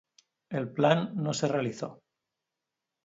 El plan no se realizó.